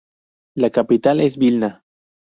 La capital es Vilna.